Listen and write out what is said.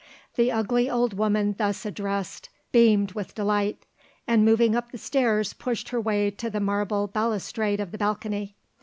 The ugly old woman thus addressed beamed with delight, and moving up the stairs pushed her way to the marble balustrade of the balcony.